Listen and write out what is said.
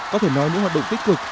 có thể nói những hoạt động tích cực